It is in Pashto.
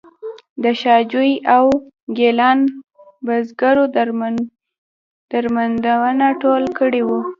د شاه جوی او ګیلان بزګرو درمندونه ټول کړي وو.